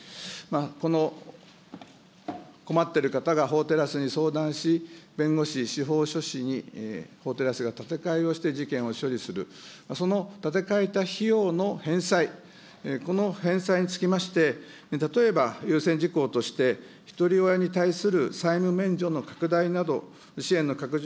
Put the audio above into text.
この困っている方が法テラスに相談し、弁護士、司法書士に法テラスが立て替えをして事件を処理する、その建て替えた費用の返済、この返済につきまして、例えば、優先事項としてひとり親に対する債務免除の拡大など、支援の拡充